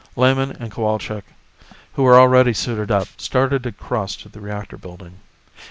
Lehman and Cowalczk, who were already suited up started across to the reactor building.